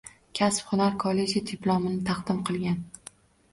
Kasb-hunar kolleji diplomini taqdim qilgan